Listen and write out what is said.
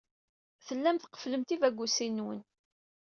Tellam tqefflem tibagusin-nwen.